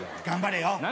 頑張れよ。